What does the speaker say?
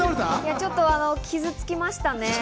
ちょっと傷つきましたね。